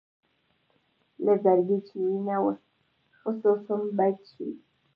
له زړګي چې وينه وڅڅوم بېت شي.